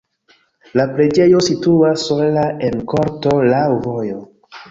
La preĝejo situas sola en korto laŭ vojo.